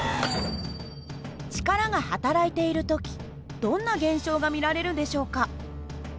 力がはたらいている時どんな現象が見られるんでしょうか？